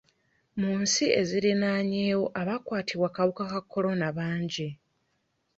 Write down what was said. Mu nsi eziriraanyeewo, abakwatiddwa akawuka ka kolona bangi.